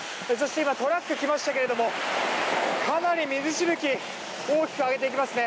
今、トラックが来ましたけどかなり水しぶき大きく上げていきますね。